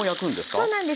そうなんです。